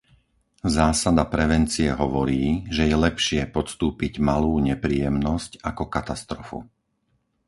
Zásada prevencie hovorí, že je lepšie podstúpiť malú nepríjemnosť ako katastrofu.